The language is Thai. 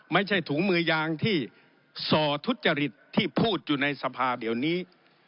ไม่ใช่ถุงมือยางที่ส่อทุจริตที่พูดอยู่ในสภาเดี๋ยวนี้